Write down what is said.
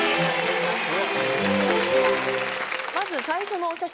まず最初のお写真